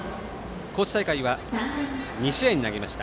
高知大会は２試合投げました。